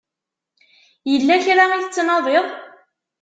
Yella kra i tettnadiḍ?